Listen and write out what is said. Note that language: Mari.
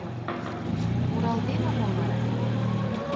Муралтена мо вара